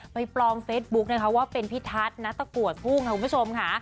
ปลอมเฟซบุ๊กนะคะว่าเป็นพี่ทัศน์ณตะกัวพุ่งค่ะคุณผู้ชมค่ะ